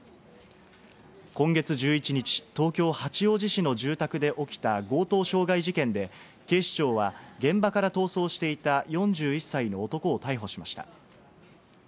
今月１１日、東京・八王子市の住宅で起きた強盗傷害事件で、警視庁は現場から逃走していた４１歳の男を逮捕しました。